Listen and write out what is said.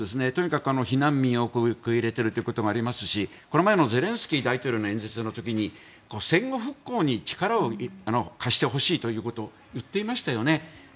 とにかく避難民を受け入れるということがありますしこの前のゼレンスキー大統領の演説の時に戦後復興に力を貸してほしいということを言っていましたよね。